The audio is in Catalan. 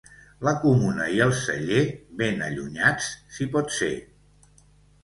La comuna i el celler, ben allunyats si pot ser.